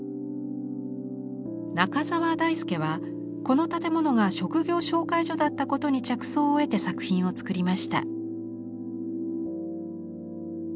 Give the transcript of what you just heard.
中澤大輔はこの建物が職業紹介所だったことに着想を得て作品を作りました。